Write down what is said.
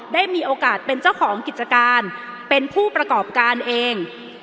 ได้มีโอกาสเป็นเจ้าของกิจการเป็นผู้ประกอบการเอง